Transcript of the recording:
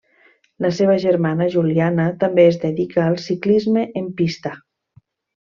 La seva germana Juliana també es dedica al ciclisme en pista.